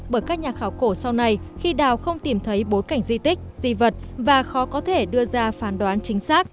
bởi các nhà khảo cổ sau này khi đào không tìm thấy bối cảnh di tích di vật và khó có thể đưa ra phán đoán chính xác